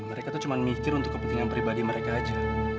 mereka tuh cuma mikir untuk kepentingan pribadi mereka aja